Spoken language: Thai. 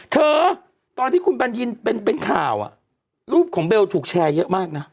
ตอนที่คุณบัญญินเป็นข่าวรูปของเบลถูกแชร์เยอะมากนะ